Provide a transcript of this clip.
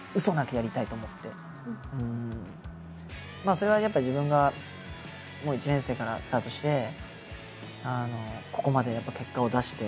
それはやっぱ自分がもう１年生からスタートしてここまでやっぱ結果を出して。